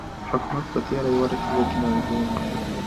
حکومت په تیره یوه لسیزه کې نږدې